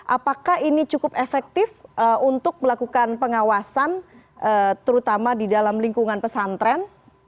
apakah ini cukup efektif untuk melakukan pengawasan terutama di dalam lingkungan pesantren